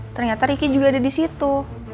ternyata ricky juga ada disitu